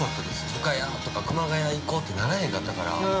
深谷とか熊谷行こうってならへんかったから。